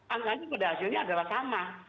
anggaran pada hasilnya adalah sama